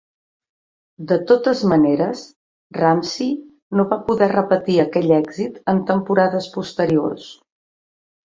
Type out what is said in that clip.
De totes maneres, Ramsay no va poder repetir aquell èxit en temporades posteriors.